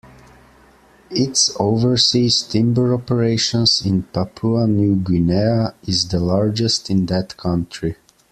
Its overseas timber operations in Papua New Guinea is the largest in that country.